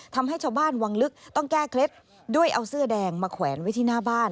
ทำให้ชาวบ้านวังลึกต้องแก้เคล็ดด้วยเอาเสื้อแดงมาแขวนไว้ที่หน้าบ้าน